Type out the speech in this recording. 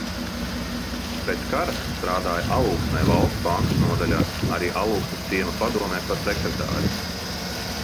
Pēc kara strādāja Alūksnē Valsts bankas nodaļā, arī Alūksnes ciema padomē par sekretāri.